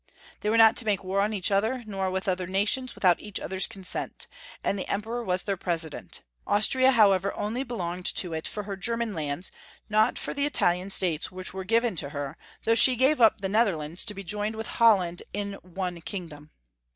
They were not to make war on each other, nor with other nations, without each other's consent, and the Emperor was their president. Austria, however, only belonged to it for her German lands, not for the Italian states Interregnum. 465 which were given to her, though she gave up the Netherlands to be joined Tsith Holland in one kingdom.